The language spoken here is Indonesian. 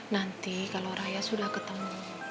nanti kalau raya sudah ketemu